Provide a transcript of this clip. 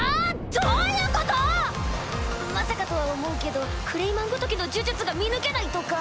どういうこと⁉まさかとは思うけどクレイマンごときの呪術が見抜けないとか？